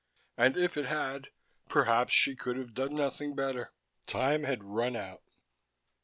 And if it had, perhaps she could have done nothing better ... time had run out.